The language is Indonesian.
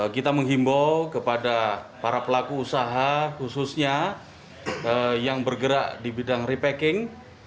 kita menghimbau kepada para pelaku usaha khususnya yang bergerak di bidang repacking